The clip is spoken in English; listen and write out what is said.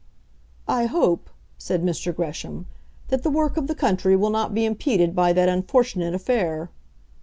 "I hope," said Mr. Gresham, "that the work of the country will not be impeded by that unfortunate affair."